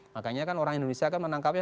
makanya kan orang indonesia kan menangkapnya